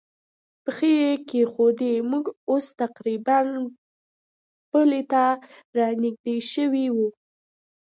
پښې کېښوودې، موږ نو اوس تقریباً پله ته را نږدې شوي و.